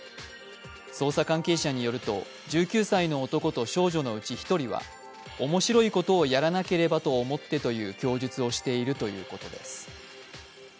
捜査関係者によりますと１９歳の男と少女のうち１人は面白いことをやらなければと思ってという供述をしているということです。